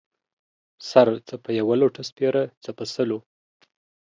سر څه په يوه لوټۀ سپيره ، څه په سلو.